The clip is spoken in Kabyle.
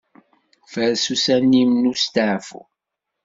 Faṛes ussan-im n usteɛfu.